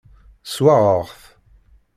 Swaɣeɣ-t.